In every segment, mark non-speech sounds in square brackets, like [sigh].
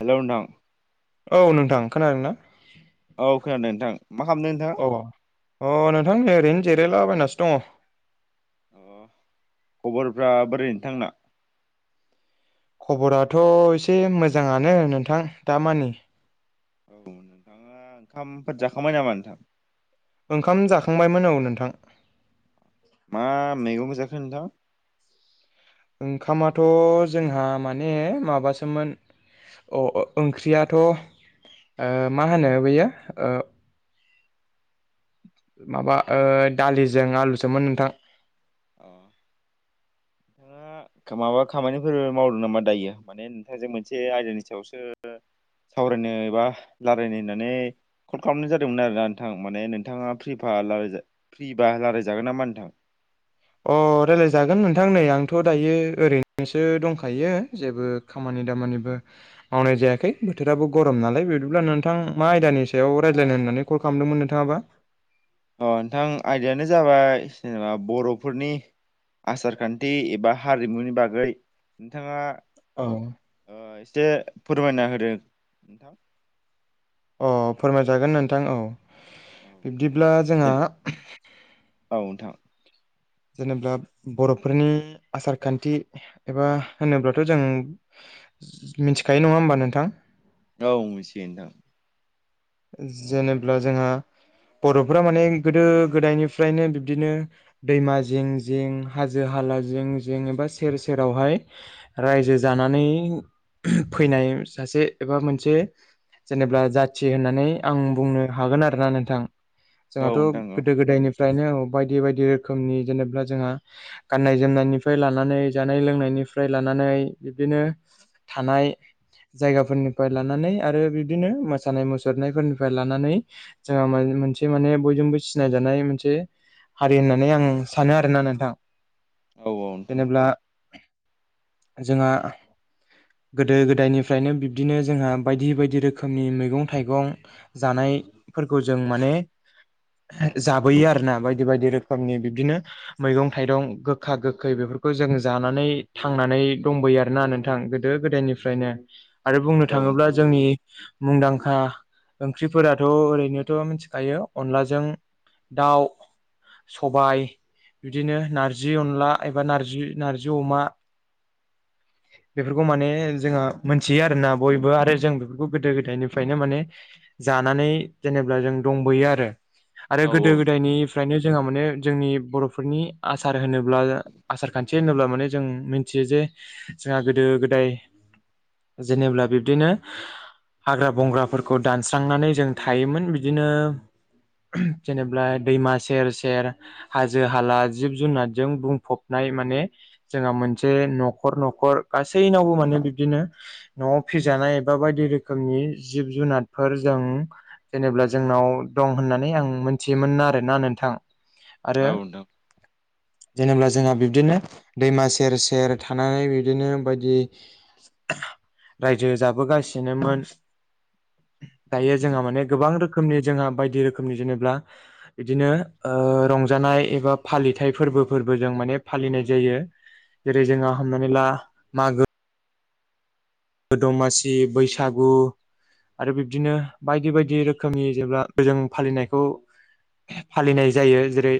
Hello नोंथां औ नोंथां खोनादोंना औ खोनादों नोंथां मा खालामदों नोंथाङा अ-अ नोंथां ओरैनो जिरायलाबायनासो दङ अ खबरफ्रा बोरै नोंथांना खबराथ' एसे मोजाङानो नोंथां दामानि औ नोंथाङा ओंखामफोर जाखांबाय नामा नोंथां ओंखाम जाखांबायमोन औ नोंथां मा मैगं जाखो नोंथां ओंखामाथ' जोंहा माने माबासोमोन अ ओंख्रियाथ' ओ मा होनो बेयो माबा दालिजों आलुजों मोन नोंथां [inaudible] माबा खामानिफोर मावदों नामा दायो माने नोंथांजों मोनसे आयदानि सायावसो सावरायनो एबा रायलायनो होननानै कल खालामनाय जादोंमोन आरोना नोंथां माने नोंथाङा फ्रि फ्रिबा रायलायजागोन नामा नोंथां अ रायलायजागोन नोंथां नै आंथ' दायो ओरैनोसो दंखायो जेबो खामानि आयदामानिबो मावनाय जायाखै बोथोराबो गरम नालाय बिदिब्ला नोंथां मा आयदानि सायाव रायज्लायनानै नानै कल खालामदोंमोन नोंथाङाबा अ नोंथां आयदायानो जाबाय जेनेबा बर'फोरनि आसार खान्थि एबा हारिमुनि बागै नोंथाङा औ ओ एसे फोरमायना होदों नोंथां औ फोरमायजागोन नोंथां औ औ बिब्दिब्ला जोंहा नोंथां जेनेबा बर'फोरनि आसार खान्थि एबा होनोब्लाथ' जों मिथिखायो नङा होमबा नोंथां औ मिथियो नोंथां जेनेब्ला जोंहा बर'फोरा माने गोदो गोदायनिफ्रायनो बिब्दिनो दैमा जिं-जिं हाजो हा हाला जें-जें एबा सेर सेरावहाय रायजो जानानै फैनाय सासे एबा मोनसे जेनेबा जाथि होननानै आं बुंनो हागोन आरोना नोंथां जोंहाथ' औ नोंथां गोदो गोदायनिफ्राय फ्रायनो बायदि बायदि रोखोमनि जेनेबा जोंहा गाननाय जोमनायनिफ्राय लानानै जानाय लोंनायनि निफ्राय लानानै बिब्दिनो थानाय जायगाफोरनिफ्राय लानानै आरो बिबदिनो म मोसानाय मुसुरनायफोरनिफ्राय लानानै जोंहा मोनसे माने बयजोंबो सिनायजानाय मोनसे। हारि होननानै आं सानो आरोना नोंथां औ जेनेब्ला जोंहा गोदो गोदायनिफ्रायनो बिब्दिनो जोंहा बायदि बायदि रोखोमनि मैग मैगं थाइगं जानायफोरखौ जों माने जाबोयो आरोना बायदि बायदि रोखोमनि बिबदिनो मैगं थाइगं गोखा गोखै बेफो बेफोरखौ जों जानानै थांनानै दंबोयो आरोना नोंथां गोदो गोदायनिफ्रायनो आरो बुंनो औ थाङोब्ला नोंथां जोंनि मुंदांखा आ ओंख्रिफोराथ' ओरैनोथ' मिथिखायो अनलाजों दाउ सबाय। बिदिनो नारजि अनला एबा नारजि नारजि अमा। बेफोरखौ माने जोंहा मोनथियो आरोना बयबो आरो जों बेफोरखौ गोदो गोदायनो फ्रायनो माने जानानै जेनेब्ला जों दंबोयो आरो। आरो औ नोंथां औ गोदो गोदायनिफ्रायनो जोंहा माने जोंनि बर'फोरनि आसार होनो ब्ला आसार खान्थि होनोब्ला माने जों मिथियो जे जोंहा गोदो गोदाय। जेनेब्ला बिब्दिनो हाग्रा। बंग्राफोरखौ दानस्रांनानै जों थायोमोन बिदिनो। जेनेब्ला दैमा सेर सेर हाजो हाला जिब जुनारजों बुंफबनाय। नै माने जोंहा मोनसे न'खर न'खर गासैनावबो माने बिबदिनो न‌'आव फिज जानाय एबा बायदि रोखोमनि। जिब जुनारफोर जों जेनेब्ला जोंनाव दं होननानै आं मोनथियोमोन आरोना नोंथां। आरो औ नोंथां औ नोंथां जेनेब्ला। जोंहा बिब्दिनो दैमा सेर सेर थानानै बिब्दिनो बायदि। रायजो जाबोगासिनोमोन। औ दायो जोंहा माने गोबां रोख खोमनि जोंहा बायदि रोखोमनि जेनेब्ला बिदिनो ओ रंजानाय एबा फालिथाय फोर। फोरबो फोरबो जों माने फालिनाय जायो जेरै जोंहा हमनानै ला मागो। दमासि बैसागु। आरो बिब्दिनो बायदि बायदि रोखोमनि फालिनाय जायो जेरै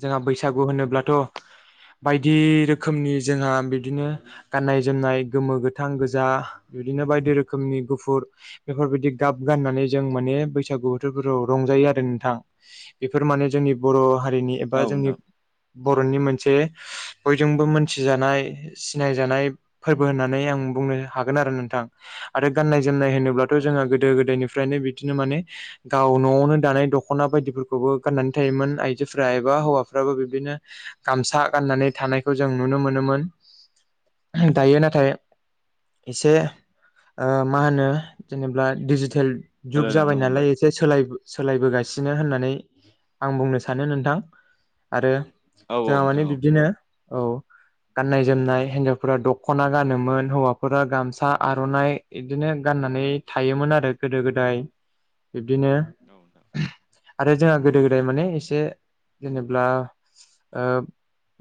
जोंहा बैसागु होनोब्लाथ बायदि रोखोमनि जोंहा बिदिनो गाननाय जोमनाय गोमो गोथ। गोथां गोजा बिबदिनो बायदि रोखोमनि गुफुर बेफोरबायदि गाब गाननानै जों माने बैसाग गु बोथोराव रंजायो आरो नोंथां बेफोर माने जोंनि बर' हा। रिनि एबा जोंनि नोंथां औ बर'नि मोन से बयजोंबो मोनथि जानाय सिनाय जानाय फोरबो होननानै आं। बुंनो हागोन आरो नोंथां आरो गाननाय जोमनाय होनोब्लाथ' औ जोंङो गोदो नोंथां गोदायनिफ्रायनो बि दिनो माने गाव न'आवनो दानाय दख'ना बायदिफोरखौबो गाननानै थायोमोन आइजोफ्रा एबा हौवाफ्रा। रावबो बिबदिनो गामसा गाननानै थानायखौ जों नुनो मोनोमोन। दायो नाथाय। एसे ओ मा होनो जेनेब्ला दिजिटेल। जुग जाबाय सोलायलांनो नालाय हमबाय एसे सोलायबो। सोलायबोगासिनो होननानै आं बुंनो सानो नोंथां आरो औ औ जोंहा माने नोंथां औ बिबदिनो औ गाननाय जोमनाय हिनजावफोरा दख'ना गानोमोन हौवा। फोरा गामसा आर'नाइ बिदिनो गाननानै थायोमोन आरो गोदो गोदाय। बिदिनो नोंथां आरो जोंहा गोदो गोदाय माने एसे जेनेब्ला। ओ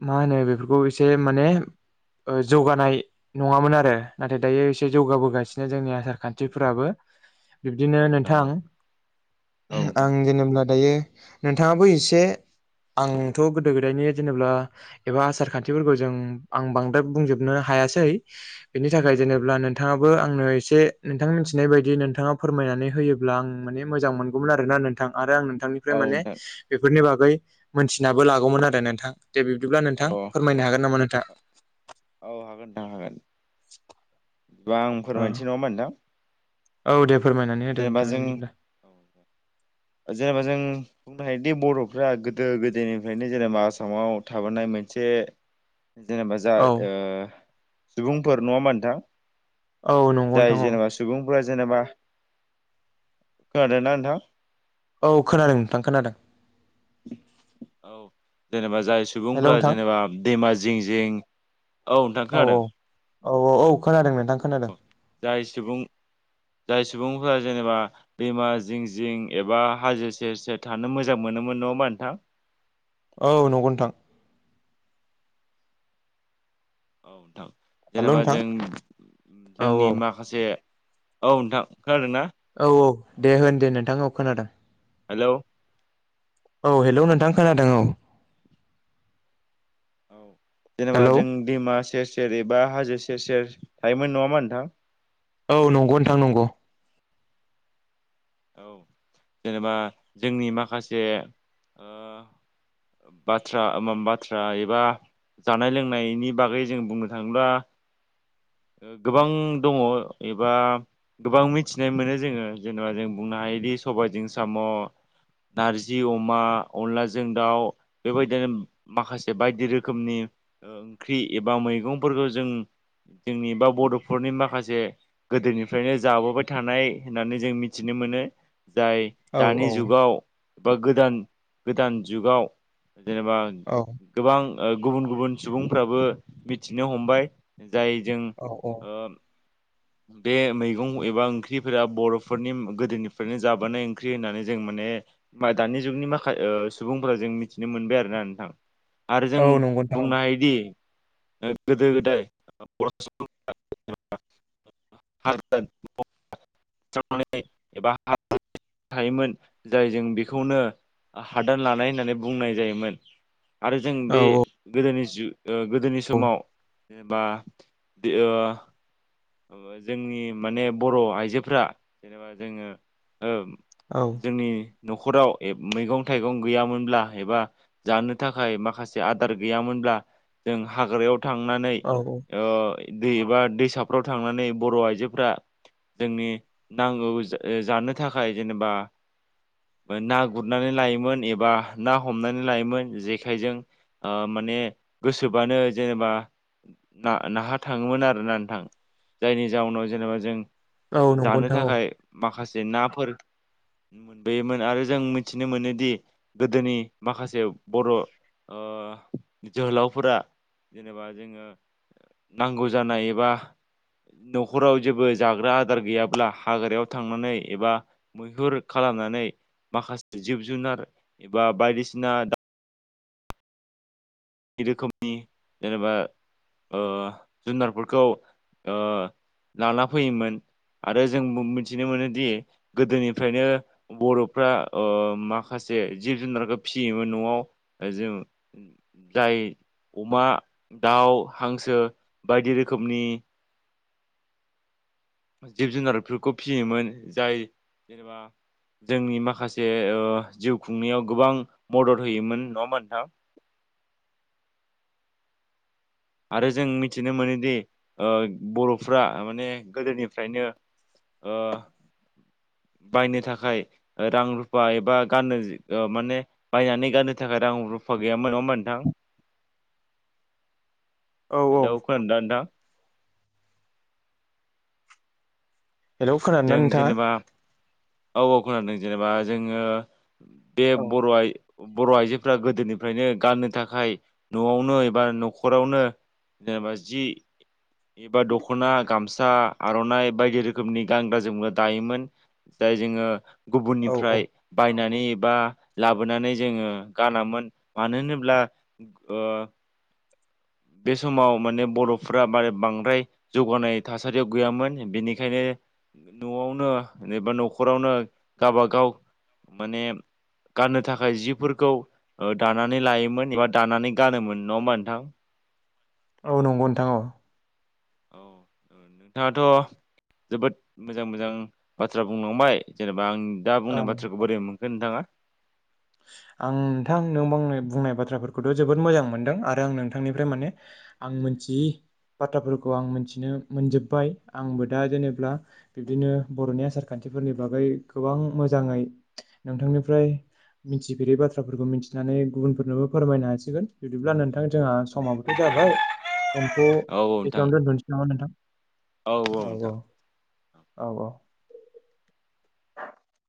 मा होनो बेफोरखौ एसे माने ओ जौगानाय नङामोन आरो नाथाय दायो एसे औ जौगाबोगासिनो जोंनि आसार खान्थिफोराबो बिबदिनो नोंथां औ नोंथां आं जेनेब्ला दायो नोंथाङाबो इसे आंथ' गोदो गोदायनि जेनेब्ला एबा आसार खान्थिफोरखौ जों आं बांद्राय बुंजोबनो हा हायासै बिनि थाखाय जेनेब्ला नोंथाङाबो आंनो इस से नोंथां मिथिनाय बायदि नोंथाङा फोरमायनानै होयोब्ला आं माने मोजां मोनगौमोन आरोना नोंथां आरो आं नोंथांनिफ्राय औ माने नोंथां बेफोरनि बागै मोनथिनाबो लागौमोन आरो नोंथां दे बिबदिब्ला औ नोंथां फोरमायनो हागोन नामा नोंथांआ। औ हागोन नोंथां हागोन [unintelligible] आं औ फोरमायनोसै नङा होनबा नोंथां औ दे फोरमायनानै होदो जेनेबा नोंथाङा जों बिदिब्ला जेनेबा जों बुंनो हायोदि बर'फ्रा गोदो गोदायनिफ्रायनो जेनेबा आसामाव थाबोनाय मोनसे जेनेबा जा औ ओ सुबुंफोर नङा ओनबा नोंथां? औ नंगौ जाय नोंथां औ । जेनेबा सुबुंफोरा जेनेबा खोनादों ना नोंथां । औ खोनादों नोंथां खोनादों। औ जेनेबा जाय हेल' सुबुंफोरा नोंथां जेनेबा दैमा जिं जिं औ नोंथां औ खोनादों। औ औ औ खोनादोंमोन। औ जाय सुबुं जाय सुबुंफोरा जेनेबा दैमा जिं जिं एबा हाजो सेर सेर थानो मोजां मोनोमोन नङा होमबा नोंथां । [inaudible] औ नंगौ नोंथां । औ नोंथां हेल' जेनेबा नोंथां जों औ जोंनि औ माखासे औ नोंथां ओंखारादों ना? औ औ दे होन दे नोंथां औ खोनादों। हेलौ औ हेल' नोंथां खोनादों औ । औ जेनेबा जों दैमा सेस सेर एबा हाजो सेर सेर थायोमोन नङामा नोंथां । औ नंगौ नोंथां नंगौ । औ जेनेबा जोंनि माखासे ओ बाथ्रा माम बाथ्रा एबा जानाय लोंनायनि बागै जों बुंनो थाङोब्ला गोबां दङ एबा गोबां मिथिनाय मोनो जोङो जेनेबा जों बुंनो हायो । औदि सबायजों साम' नारजि अमा अनलाजों दाउ बेबायदिनो माखासे बायदि रोखोमनि ओंख्रि एबा मैगंफोरखौ जों जोंनि बा बड'फोरनि माखासे गोदोनिफ्रायनो जाबोबाय थानाय होननानै जों मिथिनो मोनो । मोनो जाय औ दानि औ जुगाव एबा गोदान गोदान जुगाव जेनेबा औ गोबां गुबुन गुबुन सुबुंफ्राबो मिथिनो हमबाय जाय जों औ औ ओ बे मैगं एबा ओंख्रिफोरा बर'फोरनि गोदोनिफ्रायनो जाबोनाय ओंख्रि होननानै जों मान माने दानि जुगनि माखा सुबुंफोराव जों मिथिनो मोनबाय आरोना नोंथां । आरो जों औ नंगौ नोंथां बुंनो औ हायोदि गोदो गोदाय [unintelligible] [unintelligible] एबा थायोमोन जाय जों बेखौनो हादान लानाय होननानै बुंनाय जायोमोन । आरो जों बे औ गोदोनि जु ओ गोदोनि समाव जेनेबा ओ जोंनि माने बर' आइजोफोरा जेनेबा जोङो औ जोंनि न'खराव मैगं थाइगं गैयामोनब्ला एबा जानो थाखाय माखासे आदार गैयामोन ब्ला हाग्रायाव थांनानै औ ओ दै बा दैसा फोराव थांनानै बर' आइजोफोरा जोंनि नांगौ जानो थाखाय जेनेबा ना गुरनानै लायोमोन एबा ना हमनानै लायोमोन जेखायजों मानानि गोसोबानो जेनेबा नाहा थाङोमोन आरोना नोंथां? जायनि जाउनाव जेनेबा जों औ नंगौ जानो नोंथां औ थाखाय माखासे नाफोर मोनबोयोमोन आरो जों मिथिनो मोनोदि गोदोनि माखासे बर ओ जोहोलावफोरा जेनेबा जोङो नांगौ जानाय एबा न'खराव जेबो जाग्रा आदार गैयाब्ला हाग्रायाव थांनानै एबा मैहुर खालामनानै माखासे जिब जुनार एबा बायदिसिना बिदि रोखोमनि जेनेबा ओ जुनारफोरखौ ओ लाना फैयोमोन। आरो जों मिथिनो मोनोदि गोदोनिफ्रायनो बर'फ्रा ओ माखास से जिब जुनारखो फिसियोमोन न'आव ओ जोङो जाय अमा, दाउ, हांसो बायदि रोखोमनि जिब जुनारफोरखौ फिसियोमोन जाय जेनेबा जोंनि माखासे ओ जिउ खुंनायाव गोबां मदद होयोमोन नङा होनबा नोंथां। आरो जों मिथिनो मोनोदि ओ बर'फ्रा माने गोदोनिफ्रायनो ओ बायनो थाखाय रां रुफा एबा गाननो ओ माने बायनानै गाननो थाखाय रां रु फा गैयामोन नङा होनबा नोंथां। औ औ हेल' खोनादों दा नोंथां हेलौ खोनादों ना जों नोंथाङा? जेनेबा औ औ खोनादों जेनेबा जोङो बे औ बर' आइ बर' आइजोफोरा गोदोनिफ्रायनो गाननो थाखाय न'आवनो एबा न'खरावनो जेनेबा जि एबा दख'ना गामसा आर'नाइ बायदि रोखोमनि गानग्रा जोमग्रा दायोमोन जाय जोङो औ औ गुबुननिफ्राय बायनानै बा लाबोनानै जोङो गानामोन। मानो होनोब्ला ओ बे समाव माने बर'फोरा बारे बांद्राय जौगानाय थासारियाव गैयामोन। बेनिखायनो न'आवनो एबा न'खरावनो गाबागाव माने गाननो थाखाय जिफोरखौ ओ दानानै लायोमोन एबा दानानै गानोमोन। नङा होमबा नोंथां? औ नंगौ नोंथां औ। औ [unintelligible] नोंथाङाथ' जोबोद मोजां मोजां बाथ्रा बुंलांबाय जेनेबा आं दा औ बुंनाय बाथ्राखौ बोरै मोनखो नोंथाङा [unintelligible] आं नोंथां नों बंनाय बुंनाय बाथ्राफोरखौथ' जोबोद मोजां मोनदों आरो आं नोंथांनिफ्राय माने आं मिथियै बाथ्राफोरखौ आं मोनथिनो मोनजोबबाय। आंबो दा जेनेबा बिब्दिनो बर'नि आसारखान्थि फोरनि बागै गोबां मोजाङै नोंथांनिफ्राय मिथिफेरै बाथ्राफोरखौ मिथिनानै गुबुनफोरनोबो फोरमायनो हासिगोन। बिदिब्ला नोंथां जोंहा समाबोथ' जाबा बाय फनख' औ नोंथां बेखिनियावनो दोन्थ'नोसै नामा नोंथां? औ औ औ औ। औ